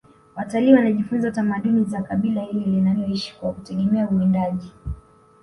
watalii wanajifunza tamaduni za kabila hili linaloishi kwa kutegemea uwindaji